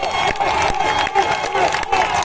สวัสดีครับทุกคน